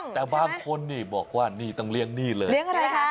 แต่บางคนนี่บอกว่านี่ต้องเลี้ยงหนี้เลยเลี้ยงอะไรคะ